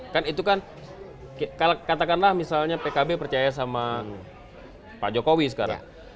kan itu kan katakanlah misalnya pkb percaya sama pak jokowi sekarang